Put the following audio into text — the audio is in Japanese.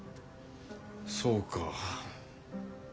そうか。